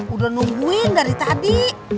udah nungguin dari tadi